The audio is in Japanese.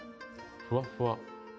ふわっふわ。